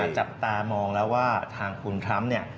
จับตามองแล้วว่าทางคุณทรัมป์เนี่ย